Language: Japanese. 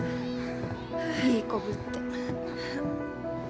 いい子ぶって。